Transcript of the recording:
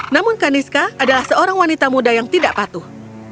namun kaniska adalah seorang wanita muda yang tidak patuh